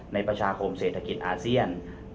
ประชาคมเศรษฐกิจอาเซียน